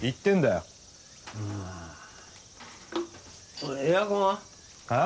おいエアコンは？えっ？